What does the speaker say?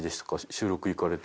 収録行かれて。